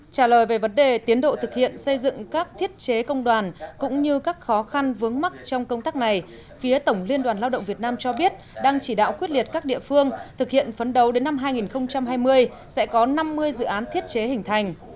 trả lời về vấn đề tiến độ thực hiện xây dựng các thiết chế công đoàn cũng như các khó khăn vướng mắt trong công tác này phía tổng liên đoàn lao động việt nam cho biết đang chỉ đạo quyết liệt các địa phương thực hiện phấn đấu đến năm hai nghìn hai mươi sẽ có năm mươi dự án thiết chế hình thành